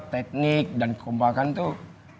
teknik dan kekompakan tuh